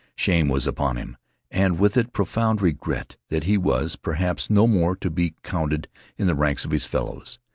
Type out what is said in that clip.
Shame was upon him, and with it profound regret that he was, perhaps, no more to be counted in the ranks of his fellows.